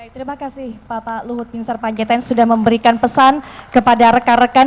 terima kasih bapak luhut pinsar pancaitan sudah memberikan pesan kepada rekan rekan